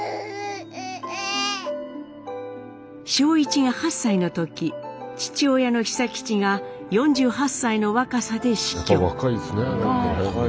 正一が８歳の時父親の久吉が４８歳の若さで死去。